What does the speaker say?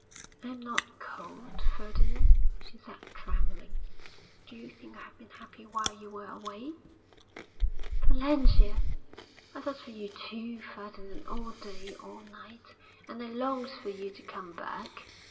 'I am not cold, Ferdinand,' she said, trembling. 'Do you think I have been happy while you were away?' 'Valentia!' 'I thought of you, too, Ferdinand, all day, all night. And I longed for you to come back.